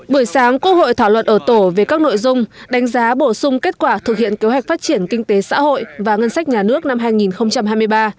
buổi sáng quốc hội thảo luận ở tổ về các nội dung đánh giá bổ sung kết quả thực hiện kế hoạch phát triển kinh tế xã hội và ngân sách nhà nước năm hai nghìn hai mươi ba